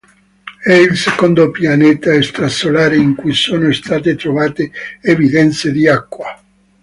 È il secondo pianeta extrasolare in cui sono state trovate evidenze di acqua.